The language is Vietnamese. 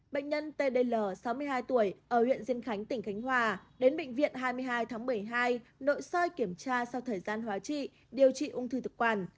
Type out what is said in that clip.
bệnh nhân tdl sáu mươi hai tuổi ở huyện diên khánh tỉnh khánh hòa đến bệnh viện hai mươi hai tháng một mươi hai nội soi kiểm tra sau thời gian hóa trị điều trị ung thư thực quản